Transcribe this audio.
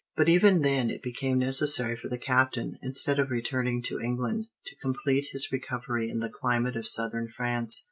But even then it became necessary for the Captain, instead of returning to England, to complete his recovery in the climate of Southern France.